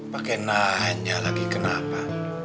pake nanya lagi kenapa